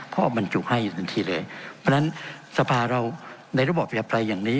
พ่อมันจุกให้ทันทีเลยดังนั้นสภาเราในระบบอย่าไปอย่างนี้